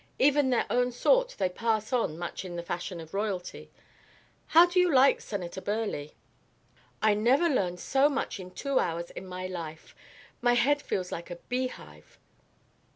Even their own sort they pass on much in the fashion of royalty. How do you like Senator Burleigh?" "I never learned so much in two hours in my life. My head feels like a beehive."